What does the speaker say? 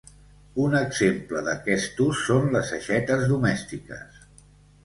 Un exemple d'aquest ús són les aixetes domèstiques.